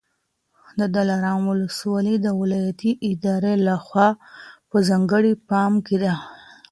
د دلارام ولسوالي د ولایتي ادارې لخوا په ځانګړي پام کي ده.